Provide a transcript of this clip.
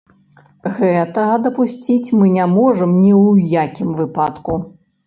Гэтага дапусціць мы не можам ні ў якім выпадку.